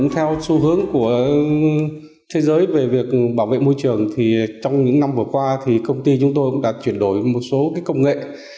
theo xu hướng của thế giới về việc bảo vệ môi trường trong những năm vừa qua công ty chúng tôi đã chuyển đổi một số công nghệ